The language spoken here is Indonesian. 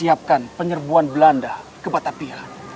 persiapkan penyerbuan belanda ke batapian